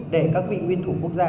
để các vị nguyên thủ quốc gia